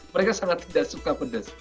mereka sangat tidak suka pedas